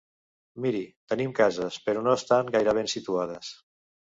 Miri, tenim cases, però no estan gaire ben situades.